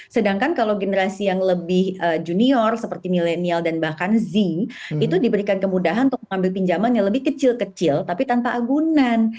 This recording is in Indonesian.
sedangkan kalau generasi yang lebih junior seperti milenial dan bahkan zinc itu diberikan kemudahan untuk mengambil pinjaman yang lebih kecil kecil tapi tanpa agunan